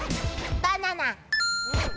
バナナ。